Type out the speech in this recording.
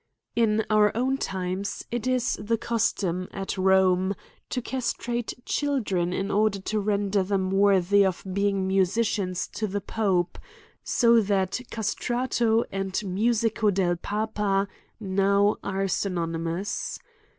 In our own times, it is the custom, at Rome, to castrate children in order to render them worthy of being musicians to the Pope ; so that castrato and musico del papa ^ now are synonimous.